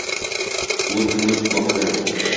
Mo‘lt-mo‘lt boqdi.